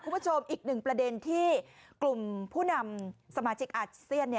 คุณผู้ชมอีกหนึ่งประเด็นที่กลุ่มผู้นำสมาชิกอาเซียน